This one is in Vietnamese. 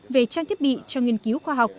về trang thiết bị cho nghiên cứu khoa học